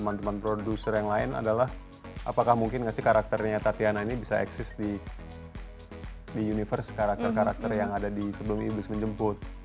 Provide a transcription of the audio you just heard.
dan teman teman produser yang lain adalah apakah mungkin gak sih karakternya tatiana ini bisa eksis di universe karakter karakter yang ada di sebelum iblis menjemput